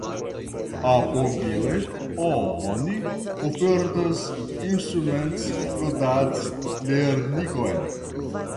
Apogile oni ofertas instrumentludadlernigon.